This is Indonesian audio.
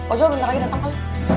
oh jual bentar lagi dateng kali